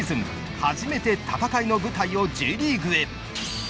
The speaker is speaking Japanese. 初めて戦いの舞台をＪリーグへ。